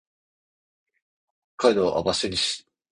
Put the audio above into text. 北海道網走市